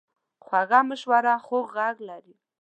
خوږه مشوره خوږ غږ لري.